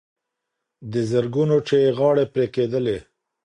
د زرګونو چي یې غاړي پرې کېدلې